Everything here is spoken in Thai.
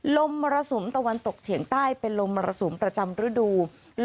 มรสุมตะวันตกเฉียงใต้เป็นลมมรสุมประจำฤดู